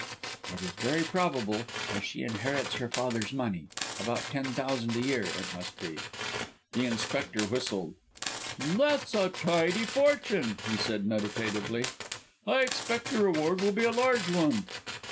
"It's very probable, as she inherits her father's money about ten thousand a year, it must be." The Inspector whistled. "That's a tidy fortune," he said meditatively. "I expect the reward will be a large one."